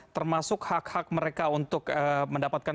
termasuk hak hak mereka untuk mendapatkan